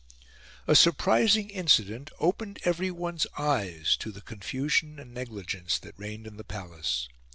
A surprising incident opened everyone's eyes to the confusion and negligence that reigned in the Palace.